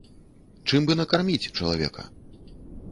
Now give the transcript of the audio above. Чым бы накарміць чалавека?